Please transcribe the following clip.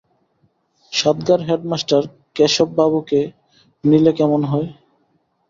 সাতগার headmaster কেশববাবুকে নিলে কেমন হয়?